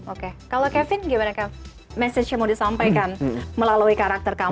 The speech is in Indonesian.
oke kalau kevin gimana message yang mau disampaikan melalui karakter kamu